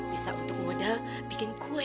bisa untuk modal bikin kue